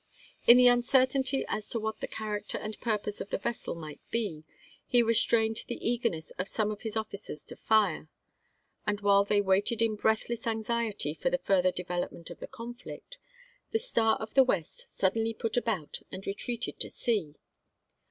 In the uncertainty as to what the character and purpose of the vessel might be, he restrained the eagerness of some of his officers to fire ; and while they waited in breathless anxiety for the further development of the conflict, the Star of the West suddenly put about and retreated to sea.